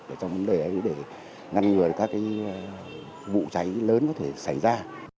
để trong vấn đề ấy để ngăn ngừa các cái vụ cháy lớn có thể xảy ra